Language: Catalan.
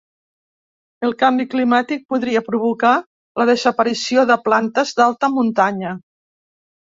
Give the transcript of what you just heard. El canvi climàtic podria provocar la desaparició de plantes d’alta muntanya.